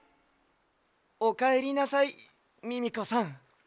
おかえりなさいミミコさん。